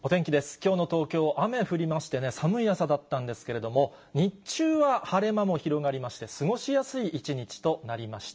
きょうの東京、雨降りましてね、寒い朝だったんですけれども、日中は晴れ間も広がりまして、過ごしやすい一日となりました。